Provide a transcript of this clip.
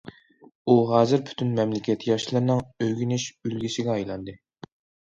ئۇ ھازىر پۈتۈن مەملىكەت ياشلىرىنىڭ ئۆگىنىش ئۈلگىسىگە ئايلاندى.